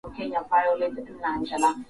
Wasichana ni wngi zaidi